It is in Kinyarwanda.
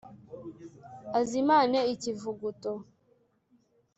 azimane ikivuguto